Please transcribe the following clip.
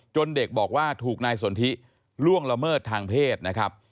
เด็กบอกว่าถูกนายสนทิล่วงละเมิดทางเพศนะครับ